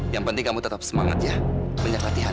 yang penting kamu tetap semangat ya banyak latihan